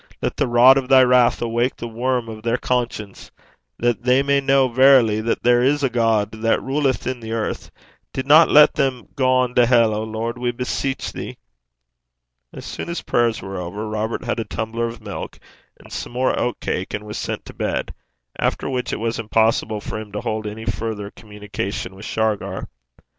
'Let the rod of thy wrath awake the worm of their conscience that they may know verily that there is a God that ruleth in the earth. Dinna lat them gang to hell, O Lord, we beseech thee.' As soon as prayers were over, Robert had a tumbler of milk and some more oat cake, and was sent to bed; after which it was impossible for him to hold any further communication with Shargar.